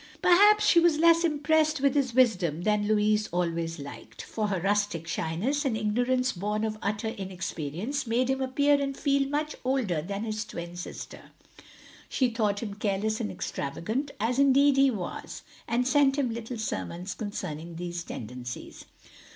Perhaps she was less impressed with his wisdom than Louis always liked; for her rustic sh)niess, and ignorance bom of utter inexperience, made him appear and feel much older than his twin sister. She thought him careless and extravagant, as indeed he was, and sent him little sermons concerning these tendencies.